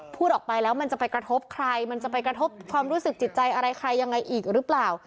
พูดออกไปแล้วมันจะไปกระทบใครมันจะไปกระทบความรู้สึกจิตใจอะไรใครยังไงอีกหรือเปล่า